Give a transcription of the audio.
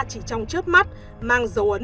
chỉ trong trước mắt mang dấu ấn